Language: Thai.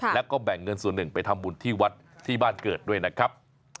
แล้วก็แบ่งเงินส่วนหนึ่งไปทำบุญที่วัดที่บ้านเกิดด้วยนะครับ